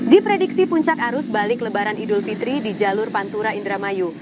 diprediksi puncak arus balik lebaran idul fitri di jalur pantura indramayu